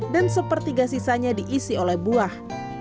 dan sepertiga sisanya diisi oleh buah